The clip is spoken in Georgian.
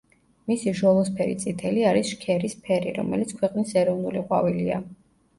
მისი ჟოლოსფერი წითელი არის შქერის ფერის, რომელიც ქვეყნის ეროვნული ყვავილია.